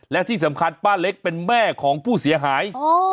และที่สำคัญป้าเล็กเป็นแม่ของผู้เสียหาย